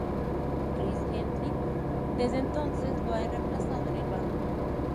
Chris Gentile desde entonces lo ha reemplazado en el bajo.